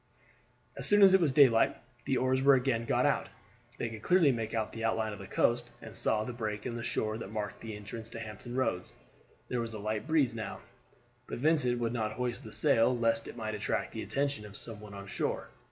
As soon as it was daylight the oars were again got out. They could clearly make out the outline of the coast, and saw the break in the shore that marked the entrance to Hampton Roads. There was a light breeze now, but Vincent would not hoist the sail lest it might attract the attention of some one on shore.